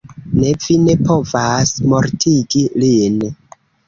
Ne, vi ne povas mortigi lin.